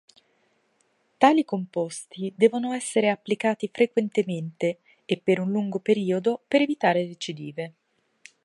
Tali composti devono essere applicati frequentemente e per un lungo periodo per evitare recidive.